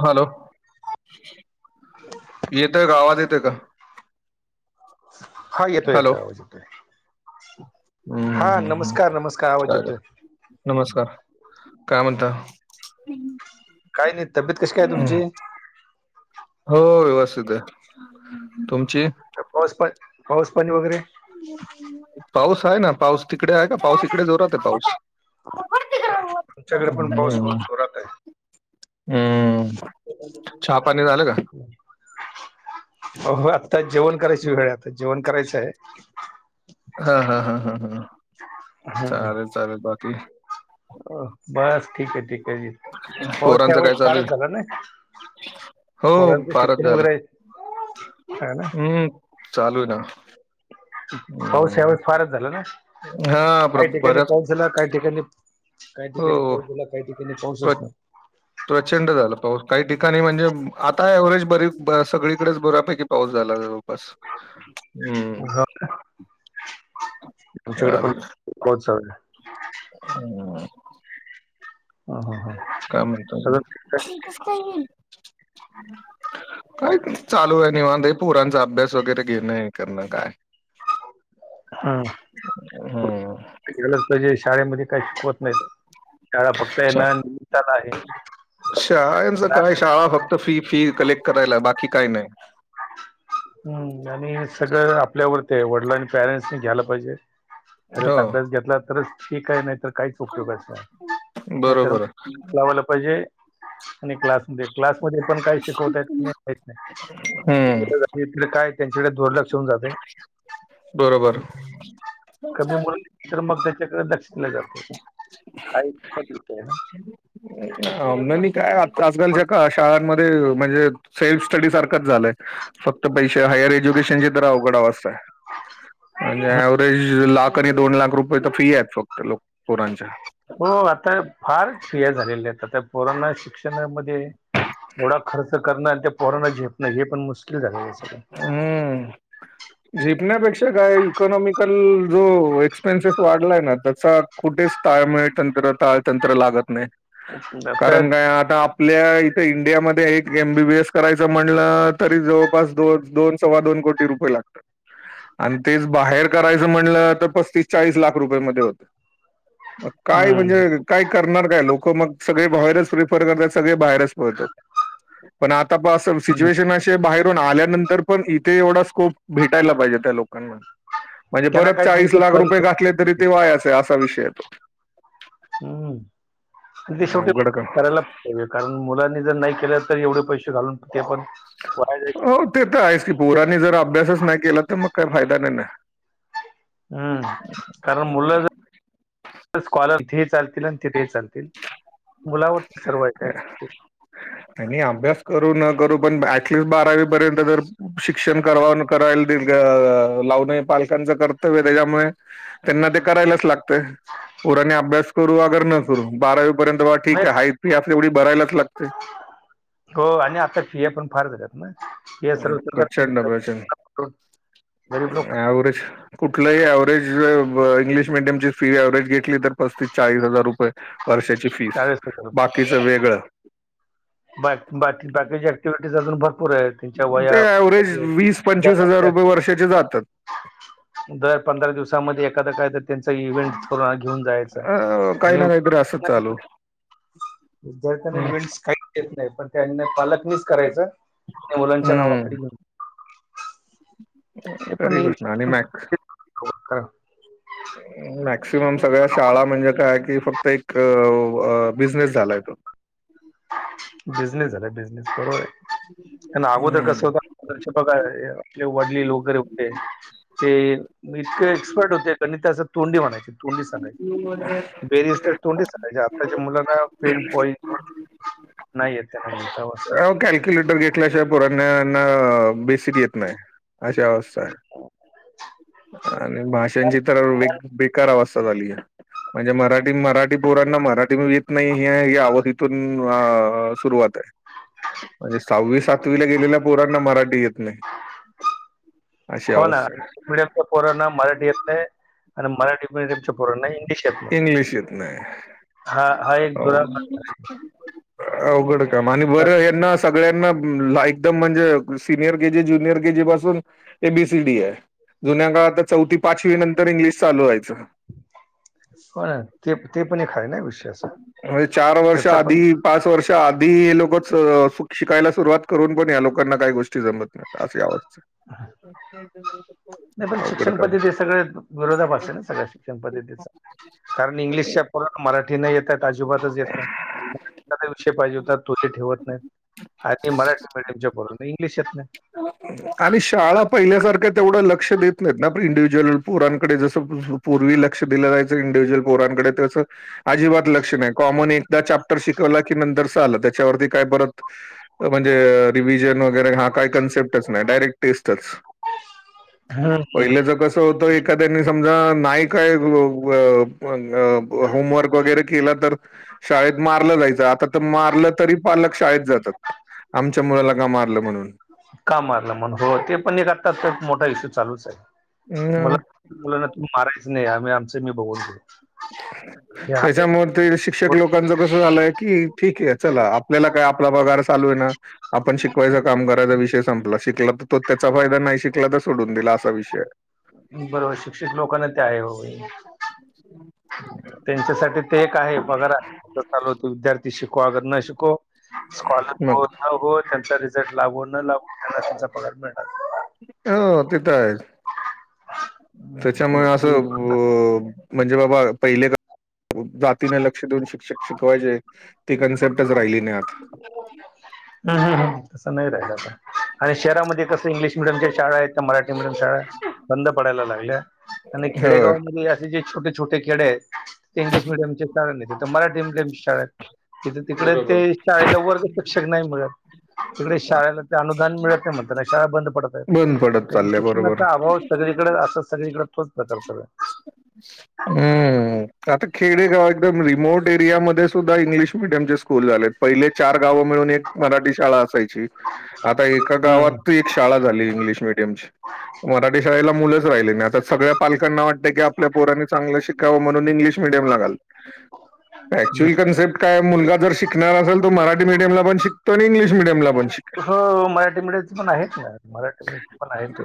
Hello! येतयं का आवाज येते का? हा येतोयं हॅलो येतो आवाज येतोयं. हम्म, हा हम्म, हम्म. नमस्कार नमस्कार आवाज काय ग? येतोय. नमस्कार काय म्हणता? काय गं तब्येत कशी काय हम्म. तुमची? हो व्यवस्थित आहे तुमची? पाऊस पा पाऊस पाणी वगैरे? पाऊस आहे ना पाऊस तिकडे आहे का पाऊस ईकडे जोरात आहे पाऊस. आमच्याकडे पण पाऊस हो हम्म. जोरात आहे हम्म. चहा पाणी झालं का हो आता जेवण करायच वेळ आता जेवण करायचंय आहे. हा हा हा हा हा हम्म. चाले - चाले बाकी. अ बस ठीक आहे ठीक आहे जी हो पोरांचं काय चांगलच चालू फारच आहे झाल ना. हो पोरांच फारच शिक्षण झालं वगैरे आहेत आहे ना? हम्म चालू हे ना. पाऊस हम्म. ह्यावेेळेस फारच झाला ना हा काही प्र- ठिकाणी बऱ्याच पाऊस झाला काही ठिकाणी - काही ठिकाणी पाऊस हो झाला काही ठिकाणी पाऊसच नाही. प्रचंड झालं पाऊस काही ठिकाणी म्हणजे आता एव्हरेज बरेच ब सगळीकडेच बऱ्यापैकी - पाऊस झाला, जवळपास. हं. [unintelligible] ह सगळीकडे, चालेल. पाऊस झालेला. [unintelligible] ह ह ह. काय म्हणतो आजून? हे कस काय गेली? काय चालू ये, निवांत, ये पोरांचा अभ्यास वगैरे घेणं, ये करणं काय हम, हं. ते गेलच पाहिजे, शाळेमध्ये काय शिकवत नही शाळा पक्ष य ना, निमित्ताला आहे. शाळेंच काय, शाळा फक्त फी-फी कलेक्ट करायला, बाकी काही नाही. हम आणि सगळं आपल्यावरती आहे, वडिलांच पॅरेंट्सनी, घ्यायला पाहिजे. खरच हो. अभ्यास घेतला, तरच ठीक आहे, नाही तर काहीच उपयोगाच नाही, नाही तर बरोबर. मग [unintelligible] चावायला पाहिजे. आणि क्लासमध्ये, क्लासमध्ये पण काय शिकवताय की नाही, माहीत नही. [inaudible] हं. काय त्यांच्याकडे दुर्लक्ष होऊन जातय. बरोबर. [unintelligible] कंदमुळ तर मग त्याच्याकडे लक्ष दिल जात, हा इतका ठिक आहे ना? न नाही काय, आत-आजकालच्या का, शाळांमध्ये म्हणजे सेल्फ स्टडी सारखंच झालंय, फक्त पैसे, हायर एज्युकेशनची तर अवघड अवस्था य. आणि पण- ॲव्हरेज लाख आणि दोन लाख रुपये, त फी आहेत, फक्त लोक-पोरांच्या. हो आता फार फिया झालेल्यात, आता पोरांना शिक्ष त्याणामध्ये एवढा खर्च करणं आणि ते पोरांना झेपणं, हे पण मुश्किल झालेल हे सगळं. उम. हम्म. झेपण्यापेक्षा काय, इकॉनॉमिकल जो एक्सपेन्सेस वाढलाय ना, त्याचा कुठेच ताळमेळ तंत्र, ताळतंत्र लागत नाही, सगळं आता कारण काय आता आ पल्या इथे इंडियामध्ये, एक एम बी बी एस करायचं म्हणलं, तरी जवळपास दोन-दोन सव्वा दोन को टी रुपये लागतात. अन तेच बाहेर करायचं म्हणलं, तर पस्तीस चाळीस लाख रुपये मध्ये होत. मग काय, हम्म. म्हणजे काय करणार, काय? लोकं मग सगळे बाहेरच प्रिफर करतात, सगळे बाहेरच पडतात. पण आता पहा, स हम्म. -सिच्युएशन अशी ये, बाहेरून आल्यानंतर पण इथे एवढा स्कोप भेटायला पाहिजे, त्या लोकांना, म्हणजे त्यांना परत काही चाळीस त्यांचे लाख रुपये परीक्षा घातले, तरी ते वायाच. ते असा विषय ये तो. हम्म, आणि ते येतो शेवटी उघड का करायला पाहिजे, कारण मुलांनी जर नाही केलं, तर एवढे पैशे घालून, ते पण वाया जायचे हो ते तर आहेच की, पोरांनी जर अभ्यासच नाही केला, तर मग काही फायदा नाही ना. हम्म, कारण मुलं जर [unintelligible] स्कॉलर इथेही चालतील, अन तिथेही चालतील, मुलावरतीच सर्व य काय ते. नाही नाही, अभ्यास करो न करो, पण ॲटलिस्ट बारावी पर्यंत तर शिक्षण कराव, अन करायल तील ग, लावण हे पालकांचं कर्तव्य ये, त्याच्यामुळे त्यांना ते करायलाच लागत. पोरांनी अभ्यास करू अगर न करू बारावी पर्यंत बा नाही ठीक, हाय फी आहे तेवढी भरायलाच लागते. हो आणि आता फिया पण फार झाल्यात ना? फिया हम, सर्व प्रचंड सरकार प्रचन, गरीब लोक उंह ॲवरेज. कुठलंही ॲव्हरेज, ब इंग्लिश मिीडियमची फी ॲव्हरेज घेतली, तर पस्तीस चाळीस हजार रुपये. वर्षाची फीस, चाळीस हजार बाकीच वेगळं! बां बाकी बाकीची ऍक्टिव्हिटीज अजूंन भरंपूर आहेतं ते व्हरेज वीस पंचवीस हजांर रुपये वर्षाचे जातांत. दरं पंधरा दिवसांमध्ये एखादां कायं तरं त्यांचा इव्हेंट घेऊंन जायचं अ काही आणि ना काहीतरी असंच चालू विद्यार्थ्यांना हम्म इव्हेंट्स कांहीं येतं नाहीं पणं त्यांनां पालकांनीच करायचं मुलांच्या नावां खाली हम्म ते खरी पणं गोष्ट आणि मॅक् हो कायं मॅक्सिमम सगळ्यां शाळां म्हणजे कायं कि फक्तं एक बिझनेस झालायं तो बिजनेस झांला बिजनेस बरो अगोदर हम्म कसं होतं. अंश प्रकार आपले वडले लोके होते. ते इतके एक्सपर्ट होते गणिता असं तोंडी म्हणांयचे. तोंडी सांगायची बेरी असं तोंडी सांगांयची आतांच्या मुलांना फेड बॉई नाहीं येतं त्यांनां अं कॅल्क्युलेटर घेतल्यांशिवांय पुरांणांयाना बेसिक येतं नाहीं अशां अवस्थां आहे. आणि भाषांची तरं बे बेकांर अवस्थां झाली आहे. म्हणजे मराठी मराठी पोरांना मराठी मं येतं नाहीं आहे यांअवथीतूंन सुरुवांत आहे. हां म्हणजे सहावी सातवी लां गेलेला पोरांना मराठी येतं नाहीं. अशी अवस्थां आहे पोरोना मराठी येतं नाहीं आणि मराठी मिडियच्यां पोरांना इंग्लिश येतं आहे नाहीं इंग्लिश येत नाही हां एक दुरा आहे अवघंड कामे आणि बरं यांना सगळ्यांना एकदंम म्हणजे. Senior K G junior K G पासूंन एबीसीडी आहे. जुंन्या काळांत चौथी पाचवी नंतर इंग्लिश चालूं व्हायचं हो नां ते ते पणं खांय टामिन म्हणे चार वर्ष आंधी पांच वर्ष आंधी आंधी हे लोकांचं शिकांयला सुरुवांत करूंन पणं यां लोकांना कांहीं गोष्टीं जमतं नाहीं असी अवसतां आहे. ते नाहीं पणं शिक्षणं पद्धती हे सगळ्यां विरोधा भाषां नां सगळ्यां शिक्षणं पद्धतीचा कारणं इंग्लिशच्यां मराठी नाहीं येतांत आजोबातंच येतं नाहीं विषयं पाहिजे होतांत तुं ठेवतं नाहीं. आणि मराठी मीडयमच्यां पोरांना इंग्लिश येतं नाहीं. तुम्हीं कायं आणि शाळां पहिल्यांसारख्यां तेवढं लंक्ष देतं नाहींत नां पणं इंडिव्हज्युंअल पोरांकडे जसं पूर्वी लंक्ष दिलं जायचं इंडिव्हुजुंअल पोरांकडे तेचं अजिबांत लंक्ष नाहीं आहे कॉमन एकदाचं चॅप्टर शिकवला की नंतरच आलं त्यांच्यावरची कायं परंत म्हणजे रिव्हजन वगैरें घांस कायं कन्सेप्टच डायरेक्ट टेस्ट हम्म पहिलेच कसं तो एखांद्यानी समजां नाहीं कायं होमवर्क वगैरें केलां तरं शाळेत मारलं जायचं आंता तरं मारलं तरी पालक शाळेत जातांत आमच्या मुलांला कां मारलं म्हणूंन कां मारलं म्हंण हो ते पणं एक आंत्ता एक मोठां इश्यूं चालूंच आहे अं, मुलां मुलांना तूम्हीं मारायचं नाहीं आम्हीं आमचं मी बघूंन घेऊं त्यांच्या मुळें शिक्षकं लोकांच कसं झालंय की ठीक आहे चलां आपल्यांला कायं आपलां पगांर चालूं आहे नां आपणं शिकवायचं कामं करांयचा विषय संपला शिकलां तरं तो त्यांचा फायंदा नाहीं शिकलां तरं सोडूंन दिलां असां विषय बरोबर शिक्षक लोकांना काय ओ त्यांच्यासाठी ते काय आहे पगार आहे चालूत विद्यार्थी ते शिकु अगर न शिकु स्कॉलर आहे मग न हो त्यांचा. जर लागू न लागू तर त्याला त्यांचा पगार मिळनार. अ तीत आहेत. हम्म त्याच्यामुळे असं आ म्हणजे बाबा पहिले जातीने लक्ष देऊन शिक्षक शिकवायचे ती कन्सेप्टच राहिली नाही आत. हम हम तसं नाही राहिल आता. आणि शहरामध्ये कसं इंग्लिश मिडियमच्या शाळा आहेत तर मराठी मिडियम शाळा आहे. बंद पडायला लागल्या आणि हो. खेडेगावमध्ये असे जे. छोटेछोटे खेडे ते इंग्लिश मिडियम चचेता नाही मराठी थ तिकडे ते बरोबर. शाळेला वर्ग शिक्षक नाही मिळत. तिकडे शाळेला अनुदान मिळत नाहीण ना शाळा बंद पडत होत्या. बंद पडत चाललंय बरोबर. शिक्षणाचा अभाव सगळीकडे अस सगळीकडे तोच प्रकार चालु आहे. हम आता खेडेगाव एकदम रिमोट एरियामध्येध्ये सुद्धा इंग्लिश मिडियम चे स्कूल झालेत. पहिले चार गाव मिळून एक मराठी शाळा असायची आता एका हम्म, गावात शाळा झाली इंग्लिश मिडियमची मराठी शाळेला मुलंच राहिले नाई आता सगळ्या पालकांना वाट की आपल्या पोरांनी चांगल शिकावं म्हणून इ्लिश मिडियम ला घातलं हम्म. Actual concept. काय मुलागा जर शिकणार असेल तो मराठी मिडीयम ला पण शिकतो आणि इंग्लिश मिडियम ला पण शिकेल. हो हो मराठी मीडियम पण आहेत मराठी मिडीयम पण आहेत.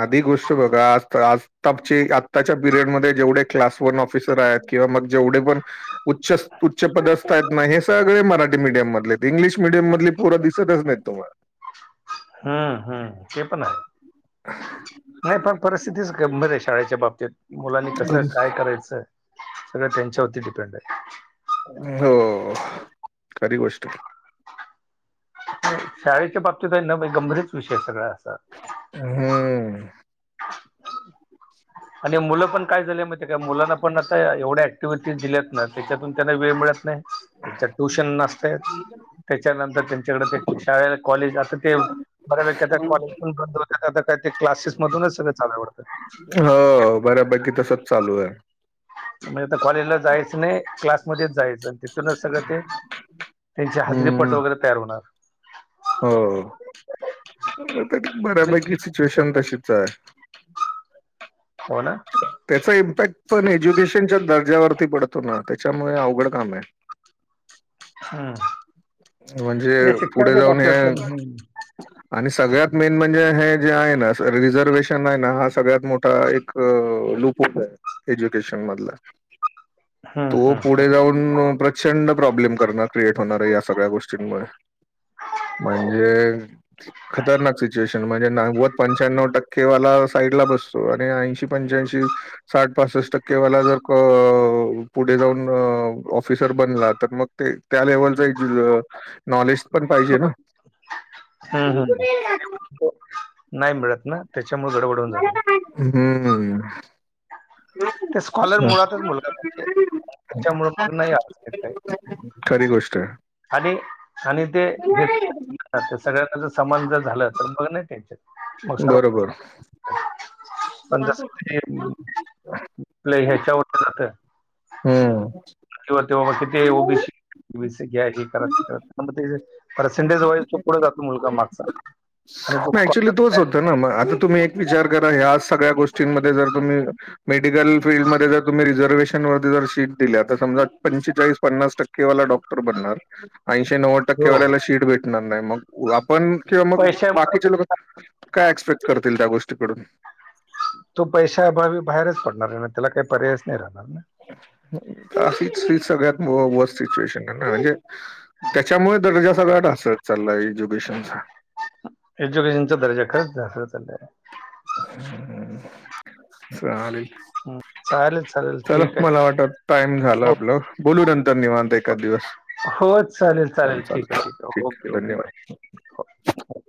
आधी गोष्ट बघा आ आताची आत्ताच्या पिरियड मध्ये जेवढे क्लास वन ऑफिसर आहेत किंवा मग जेवढे पण उच्च उच्च पदस्थ आहेत ना हे सगळे मराठी मीडियम मधले इंग्लिश मिडियम मधली पोर चढत नाही तुम्हाला हम्म हम्म ते पण आहे. नाही पण परिस्थितीच गंभीर आहे शाळेच्या बाबतीत. मुलांनी कस तुम्हाला. काय करायचंय सगळं त्यांच्यावरती डिपेंड आहे. हो खरी गोष्ट आहे. शाळेच्या बाबतीत आहे ना गंभीरच विषय सगळ असा. हम हम आणि मुलं पण काय झाले माहिती काय मुलांना पण आता एवढ्या ऍक्टिव्हिटीज दिल्यात ना. त्याच्यातून त्यांना वेळ मिळत नाही त्याच्या ट्युशन नसतय त्याच्यानंतर त्यांच्याकडे ते शाळे कॉलेज आता ते बऱ्यापैकी त्या कॉलेज बंद होतात आता काय ते क्लासेस मधूनच सगळे चालु आहे वाटत. हो बऱ्यापैकी तसच चालू आहे. म्हणजे आता कॉलेजला जायचं नाही क्लासमध्येच जायचं. तथूनच सगळं ते त्यांचे हाजरीपट हम्म. वगैरे तयार होणार. हो बऱ्यापैकी सिच्युएशन तशीच आहे. हो ना. त्याचा इम्पॅक्ट पण एज्युकेशनच्या दर्जावरती पडतो ना त्याच्यामुळे अवघड काम आहे. ह [inaudible] म्हणजे पुढे शिक्षणाच्या जाऊन हे बाबतीत पण आणि सगळ्यात मेन म्हणजे हे जे आहे ना रिझर्वेशन आहे ना हा सगळ्यात मोठा एक अ लुपवत एज्युकेशन मधला हम्म तो हम्म पुढे जाऊन प्रचंड प्रॉब्लेम करणार. क्रिएट होणार आहे या सगळ्या गोष्टींमुळे. म्हणजे खतरनाक सिच्युएशन- म्हणजे नागवत पंचानऊ टक्के वाला साईड ला बसतो आणि ऐंशी पंच्याशी- साठ पासष्ट टक्केवाला जर का पुढे जाऊन, ऑफिसर बनला तर मग- ते त्या लेवल- [unintelligible] नॉलेज पण पाहिजे ना. [inaudible] तो नाही मिळत ना त्याच्यामुळे गडबड होऊन जाते. हम्म ते स्कॉलर मुळातच मुलगा [unintelligible] त्याच्यामूळ [unintelligible] खरी गोष्ट आहे. आणि आणि ते हे सगळ्यांनाच समान जर झालं तर मग नाही टेन्शन. मग सर्व बरोबर पण जसं ते ह्याच्यावर जात- हम्म किंवा ते असतात ते O B C [inaudible] percentage wise तो पुढे जातो मुलगा मागचा आणि फक्त- ठरवा मग आता तुम्ही एक विचार करा, ह्या सगळ्या गोष्टींमध्ये जर तुम्ही- मेडिकल फील्डमध्ये जर तुम्ही रिझर्वशन वरती जर शीट दिल्या, तर समजा पंचेचाळीस पन्नास टक्के टक्केवाला डॉक्टर बनणार, आयंशी नऊव्वद हो टक्केवाल्याला शीट भेटणार नाही मग आपण किंवा मग पैशामुळे बाकीच्या लोक काय एक्सपेक्ट करतील त्या गोष्टीकडून. तो पैशाअभावी बाहेरच पडणार आहे त्याला काही पर्यायचं नाही राहणार ना. अशीच हे सगळ्यात व व सिच्युएशन आहे ना. त्याच्यामुळे [unintelligible] असंच चाललाय एज्युकेशन. एज्युकेशनचा दर्जा खरचं ढासळत चाललाय. [inaudible] हम्म. चालेल चालेल चला ठीक आहे मला वाटत आता टाईम झालं, हो आपलं बोलू नंतर निवांत एकाद दिवस. हो चालेल चालेल ठीक आहे, ठीक आहे ओके ओके बाय.